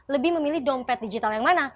lebih memilih dompet digital yang mana